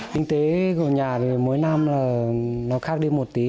tinh tế của nhà thì mỗi năm nó khác đi một tí